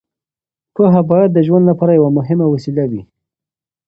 پوهه باید د ژوند لپاره یوه مهمه وسیله وي.